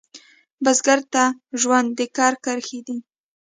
بزګر ته ژوند د کر کرښې دي